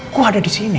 gua ada disini